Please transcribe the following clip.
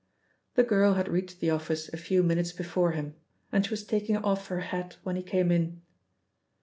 The girl had reached the office a few minutes before him, and she was taking off her hat when he came in.